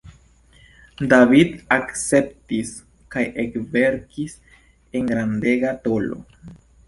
David akceptis kaj ekverkis en grandega tolo.